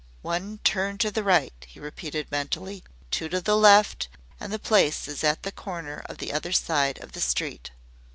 "One turn to the right," he repeated mentally, "two to the left, and the place is at the corner of the other side of the street."